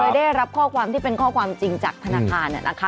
ได้รับข้อความที่เป็นข้อความจริงจากธนาคาร